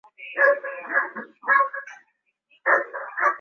amesema katika siku ya mwisho utetezi wao huko the hague